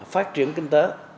phát triển kinh tế